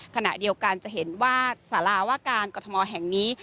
ขณะเดียวกันจะเห็นว่าสาราว่าการกรทมแห่งนี้